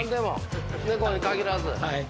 猫に限らず。